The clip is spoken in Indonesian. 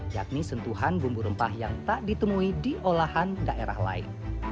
yakni sentuhan bumbu rempah yang tak ditemui di olahan daerah lain